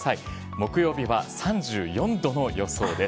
木曜日は３４度の予想です。